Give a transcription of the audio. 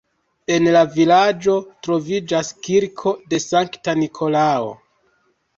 En la vilaĝo troviĝas kirko de Sankta Nikolao.